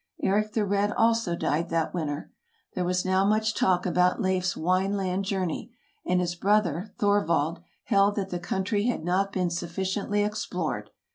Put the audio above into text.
Eric the Red also died that winter. There was now much talk about Leif's Wineland journey; and his brother, Thorvald, held that the country had not been sufficiently explored.